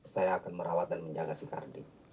saya akan merawat dan menjaga si kardi